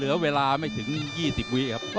เหลือเวลาไม่ถึง๒๐วิครับ